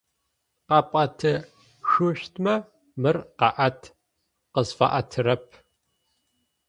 Къэпӏэтышъущтмэ мыр къэӏэт, къысфэӏэтырэп.